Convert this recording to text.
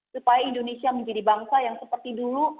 supaya indonesia menjadi bangsa yang seperti dulu